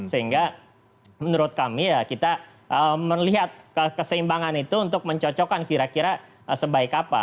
sehingga menurut kami ya kita melihat keseimbangan itu untuk mencocokkan kira kira sebaik apa